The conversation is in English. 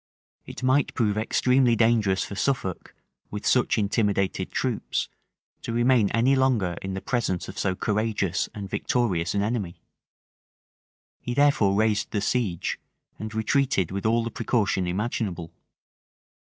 It might prove extremely dangerous for Suffolk, with such intimidated troops, to remain any longer in the presence of so courageous and victorious an enemy; he therefore raised the siege, and retreated with all the precaution imaginable.